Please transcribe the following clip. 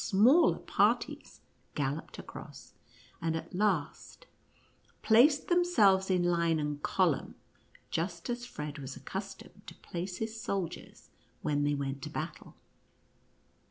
33 smaller parties galloped across, aud at last placed themselves in line and column, just as Fred was accustomed to place his soldiers when they went to battle.